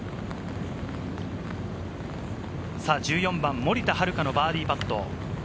１４番、森田遥のバーディーパット。